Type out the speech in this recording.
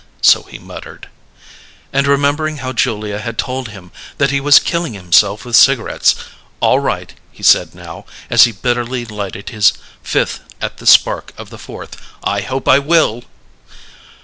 So he muttered. And remembering how Julia had told him that he was killing himself with cigarettes, "All right," he said now, as he bitterly lighted his fifth at the spark of the fourth; "I hope I will!"